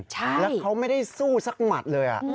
แล้วเขาไม่ได้สู้สักหมัดเลย